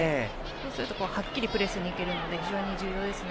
そうするとはっきりプレーしに行けるので非常に重要ですね